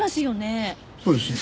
そうですね。